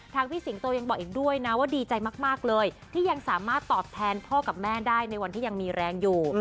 พี่สิงโตยังบอกอีกด้วยนะว่าดีใจมากเลยที่ยังสามารถตอบแทนพ่อกับแม่ได้ในวันที่ยังมีแรงอยู่